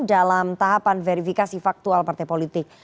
dalam tahapan verifikasi faktual partai politik